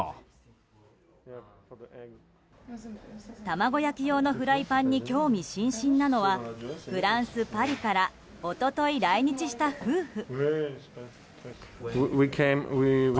卵焼き用のフライパンに興味津々なのはフランス・パリから一昨日、来日した夫婦。